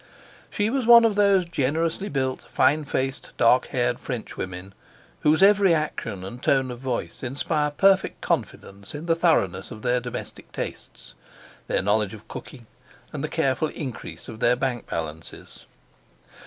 She was one of those generously built, fine faced, dark haired Frenchwomen, whose every action and tone of voice inspire perfect confidence in the thoroughness of their domestic tastes, their knowledge of cooking, and the careful increase of their bank balances.